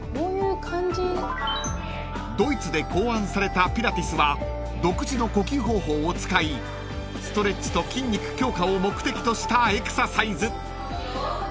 ［ドイツで考案されたピラティスは独自の呼吸方法を使いストレッチと筋肉強化を目的としたエクササイズ］